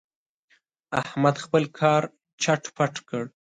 احمد خپل کار چټ پټ کړ.